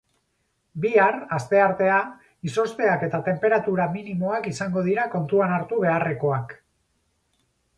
Bihar, asteartea, izozteak eta tenperatura minimoak izango dira kontuan hartu beharrekoak.